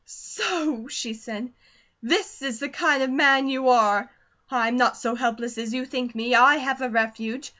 "So?" she said. "This is the kind of man you are? I'm not so helpless as you think me. I have a refuge.